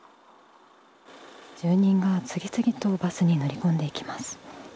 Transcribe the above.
住人が次々とバスに乗り込んでいきます。